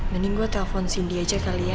mending gue telepon cindy aja kali ya